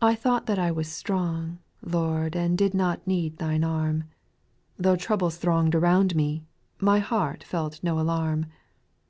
T THOUGHT that I was strong, Lord X And did not need Thine arm ; Tho' troubles thronged around me, My heart felt no alarm.